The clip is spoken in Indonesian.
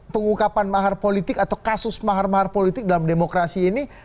pengungkapan mahar politik atau kasus mahar mahar politik dalam demokrasi ini